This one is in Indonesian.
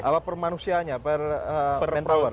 apa per manusianya per manpower